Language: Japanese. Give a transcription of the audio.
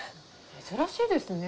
珍しいですね。